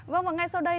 vâng và ngay sau đây